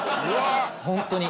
ホントに。